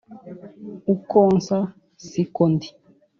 uko nsa siko ndi